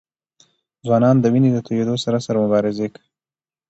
ځوانان د وینې د تویېدو سره سره مبارزه کوي.